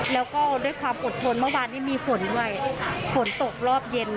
แล้วก็ด้วยความอดทนเมื่อวานนี้มีฝนด้วยฝนตกรอบเย็น